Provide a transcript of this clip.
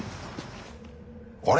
あれ？